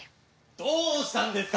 どうしたんですか？